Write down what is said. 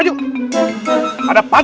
ini lagi pak